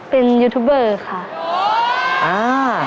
เป็นยูทูบเบอร์ค่ะ